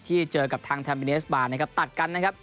ที่เจอกับทางแทมนีเอสบาร์ตัดกัน